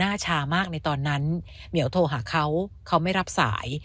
ชามากในตอนนั้นเหมียวโทรหาเขาเขาไม่รับสาย